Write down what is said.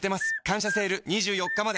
「感謝セール」２４日まで